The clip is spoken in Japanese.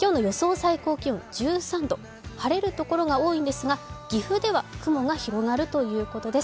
最高気温１３度、晴れる所が多いんですが、岐阜では雲が広がるということです。